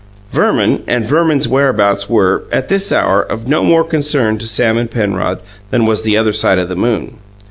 Verman and Verman's whereabouts were, at this hour, of no more concern to Sam and Penrod than was the other side of the moon.